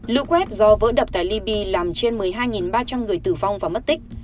lũ quét do vỡ đập tại libya làm trên một mươi hai ba trăm linh người tử vong và mất tích